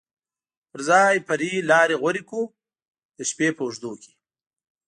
پر ځای فرعي لارې غوره کړو، د شپې په اوږدو کې.